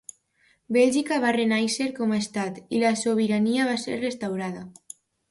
Bèlgica va renàixer com a estat i la sobirania va ser restaurada.